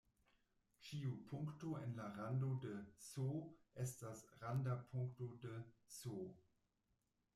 Ĉiu punkto en la rando de "S" estas randa punkto de "S".